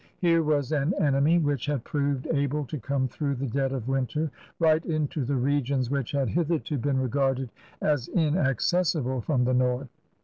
Here was an enemy which had proved able to come through the dead of winter right into the regions which had hitherto been regarded as inaccessible from the north.